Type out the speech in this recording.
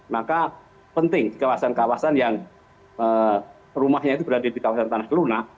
maka penting di kawasan kawasan yang rumahnya itu berada di kawasan tanah lunak